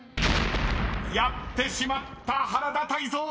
［やってしまった原田泰造］